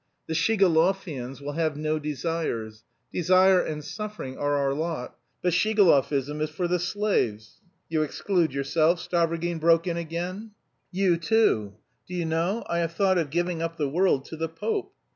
The Shigalovians will have no desires. Desire and suffering are our lot, but Shigalovism is for the slaves." "You exclude yourself?" Stavrogin broke in again. "You, too. Do you know, I have thought of giving up the world to the Pope.